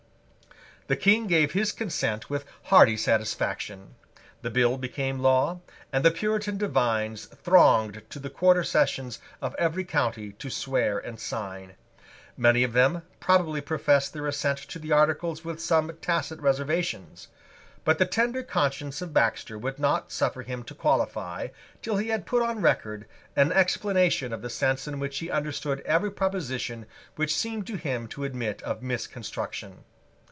The King gave his consent with hearty satisfaction: the bill became law; and the Puritan divines thronged to the Quarter Sessions of every county to swear and sign. Many of them probably professed their assent to the Articles with some tacit reservations. But the tender conscience of Baxter would not suffer him to qualify, till he had put on record an explanation of the sense in which he understood every proposition which seemed to him to admit of misconstruction.